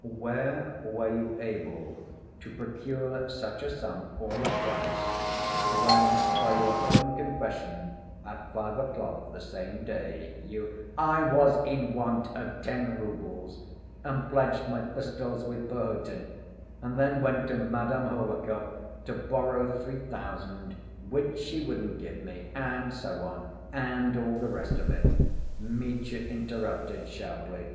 "Where were you able to procure such a sum all at once, when by your own confession, at five o'clock the same day you—" "I was in want of ten roubles and pledged my pistols with Perhotin, and then went to Madame Hohlakov to borrow three thousand which she wouldn't give me, and so on, and all the rest of it," Mitya interrupted sharply.